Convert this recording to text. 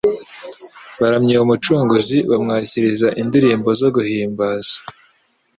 baramya uwo Mucunguzi bamwakiriza indirimbo zo guhimbaza.